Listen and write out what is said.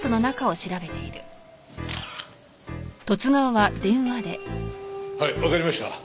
はいわかりました。